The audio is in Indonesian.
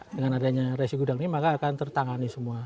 dengan adanya resi gudang ini maka akan tertangani semua